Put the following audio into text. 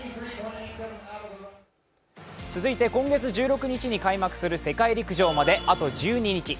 続いて今月１６日に開幕する世界陸上まであと１２日。